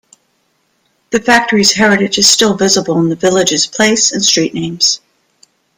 The factory's heritage is still visible in the village's place and street names.